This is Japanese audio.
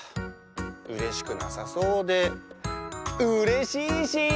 うれしくなさそうでうれしいし！